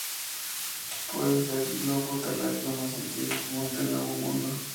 Puede ser el globo terráqueo más antiguo que muestra el Nuevo Mundo.